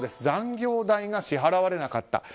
残業代が支払われなかった。